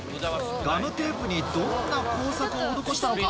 ガムテープにどんな工作を施したのか。